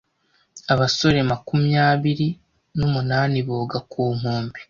Abasore makumyabiri n'umunani boga ku nkombe,